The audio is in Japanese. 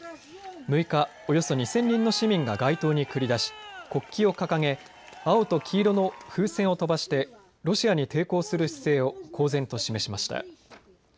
６日、およそ２０００人の市民が街頭に繰り出し国旗を掲げ青と黄色の風船を飛ばしてロシアに抵抗する姿勢を公然と示しました。